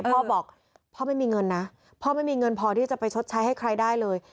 พ่อบอกพ่อไม่มีเงินนะพ่อไม่มีเงินพอที่จะไปชดใช้ให้ใครได้เลย